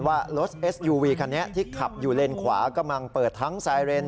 แวบไว้ตลอดทางนะครับ